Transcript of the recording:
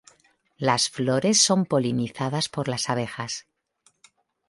Las flores son polinizadas por las abejas.